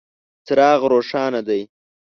څراغ روښانه دی .